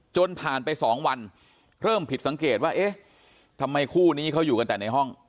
จนผ่านไป๒วันเริ่มผิดสังเกตว่าเอ๊ะทำไมคู่นี้เขาอยู่กันแต่ในห้อง